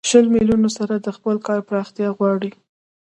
شلو میلیونو سره د خپل کار پراختیا غواړي